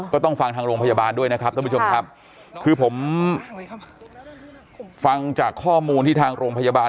ก็ต้องฟังทางโรงพยาบาลด้วยนะครับคือผมฟังจากข้อมูลที่ทางโรงพยาบาล